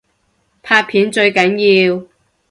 拍片最緊要